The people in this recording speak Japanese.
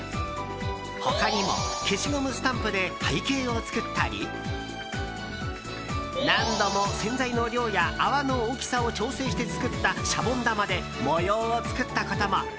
他にも、消しゴムスタンプで背景を作ったり何度も洗剤の量や泡の大きさを調整して作ったシャボン玉で模様を作ったことも。